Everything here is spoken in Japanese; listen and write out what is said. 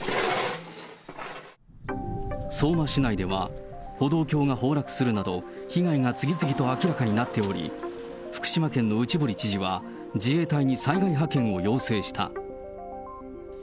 相馬市内では、歩道橋が崩落するなど、被害が次々と明らかになっており、福島県の内堀知事は、自衛隊に災害派遣を要請した。